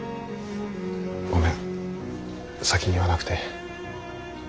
ごめん先に言わなくて。